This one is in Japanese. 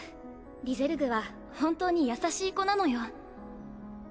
リゼルグは本当に優しい子なのよ。